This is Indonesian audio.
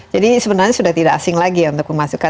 jadi sebenarnya sudah tidak asing lagi untuk dimasukkan